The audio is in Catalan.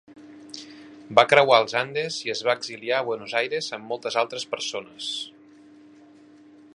Va creuar els Andes i es va exiliar a Buenos Aires amb moltes altres persones.